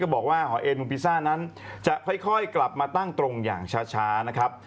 ก็บอกว่าหอเอ็นเมืองพีซ่านั้นจะค่อยกลับมาตั้งตรงอย่างช้า